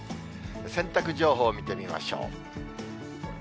洗濯情報見てみましょう。